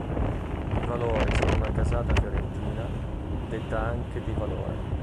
I Valori sono una casata fiorentina, detta anche "di Valore".